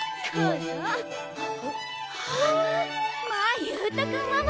まあ勇太君ママ！